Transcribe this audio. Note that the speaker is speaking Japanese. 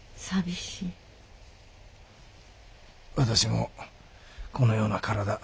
私もこのような体。